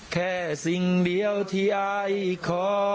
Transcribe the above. แค่สิ่งเดียวที่อายขอ